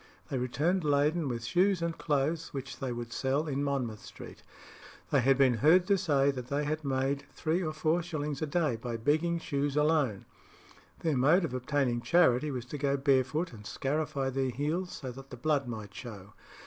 They returned laden with shoes and clothes, which they would sell in Monmouth Street. They had been heard to say that they had made three or four shillings a day by begging shoes alone. Their mode of obtaining charity was to go barefoot and scarify their heels so that the blood might show.